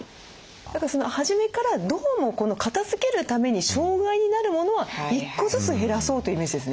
だから初めからどうもこの片づけるために障害になるモノは１個ずつ減らそうというイメージですね。